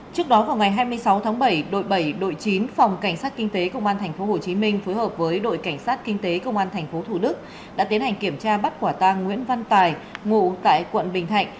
trước đó vào ngày hai mươi sáu tháng bảy đội bảy đội chín phòng cảnh sát kinh tế công an tp hcm phối hợp với đội cảnh sát kinh tế công an tp thủ đức đã tiến hành kiểm tra bắt quả tang nguyễn văn tài ngụ tại quận bình thạnh